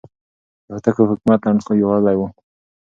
د هوتکو حکومت لنډ خو ویاړلی و.